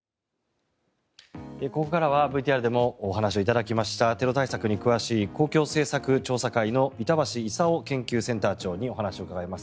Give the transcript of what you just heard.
ここからはＶＴＲでもお話をいただきましたテロ対策に詳しい公共政策調査会の板橋功研究センター長にお話を伺います。